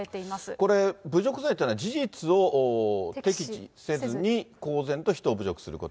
これ、侮辱罪というのは、事実を適示せずに公然と人を侮辱すること。